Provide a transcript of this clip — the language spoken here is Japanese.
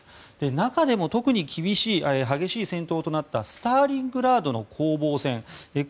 中でも特に激しい戦闘となったスターリングラードの攻防戦。